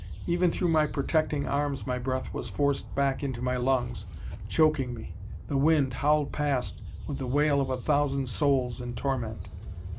Even through my protecting arms my breath was forced back into my lungs, choking me. The wind howled past with the wail of a thousand souls in torment.